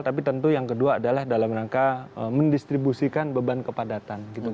tapi tentu yang kedua adalah dalam rangka mendistribusikan beban kepadatan